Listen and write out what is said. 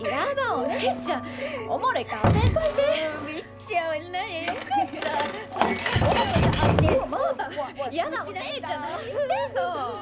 お姉ちゃん何してんの。